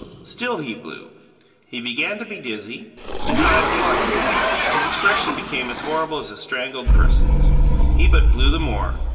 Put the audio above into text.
Still he blew. He began to be dizzy; his eyes watered; his expression became as horrible as a strangled person's. He but blew the more.